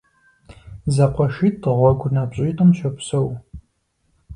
ЗэкъуэшитӀ гъуэгунапщӀитӀым щопсэу.